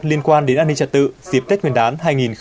liên quan đến an ninh trật tự dịp tết nguyên đán